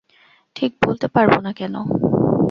ঠিক বলতে পারব না কেন।